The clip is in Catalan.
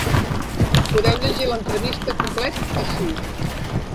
Podeu llegir l’entrevista complet ací.